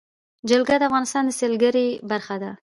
جلګه د افغانستان د سیلګرۍ برخه ده.